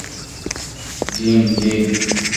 জিন, জিন।